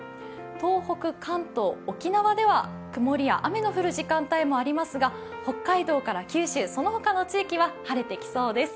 東北、関東、沖縄では曇りや雨の降る時間帯もありますが北海道から九州、その他の地域は晴れてきそうです。